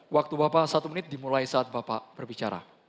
waktu bapak satu menit dimulai saat bapak berbicara